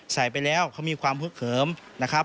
ใส่ไปแล้วเขามีความฮึกเขิมนะครับ